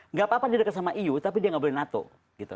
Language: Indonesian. nggak apa apa dia dekat sama eu tapi dia nggak boleh nato gitu